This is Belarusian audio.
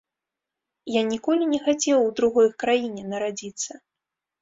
Я ніколі не хацеў у другой краіне нарадзіцца.